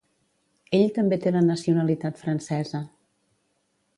Ell també té la nacionalitat francesa.